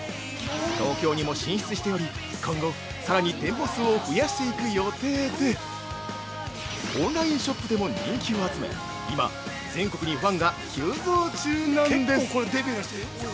東京にも進出しており、今後さらに店舗数をふやしていく予定で、オンラインショップでも人気を集め、今全国にファンが急増中なんです。